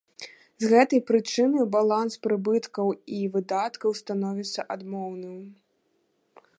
З гэтай прычыны баланс прыбыткаў і выдаткаў становіцца адмоўным.